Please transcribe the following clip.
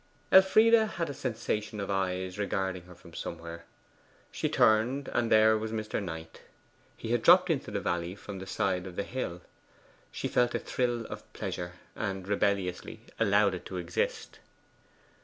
Elfride had a sensation of eyes regarding her from somewhere. She turned, and there was Mr. Knight. He had dropped into the valley from the side of the hill. She felt a thrill of pleasure, and rebelliously allowed it to exist.